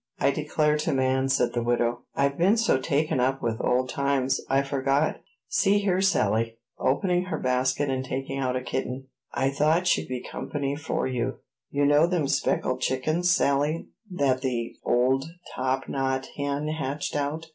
"I declare to man," said the widow, "I've been so taken up with old times, I forgot. See here, Sally," opening her basket and taking out a kitten, "I thought she'd be company for you. You know them speckled chickens, Sally, that the old top knot hen hatched out."